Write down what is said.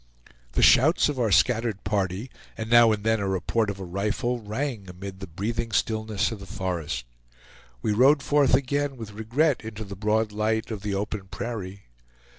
The shouts of our scattered party, and now and then a report of a rifle, rang amid the breathing stillness of the forest. We rode forth again with regret into the broad light of the open prairie.